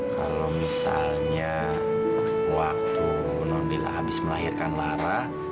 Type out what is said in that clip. kalau misalnya waktu non lila habis melahirkan lara